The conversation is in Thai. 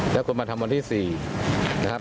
แล้วคุณมาทำวันที่๔นะครับ